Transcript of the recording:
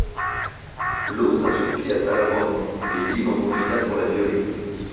Lau s'assoupit après l'avoir bu, et Lim en profita pour la violer.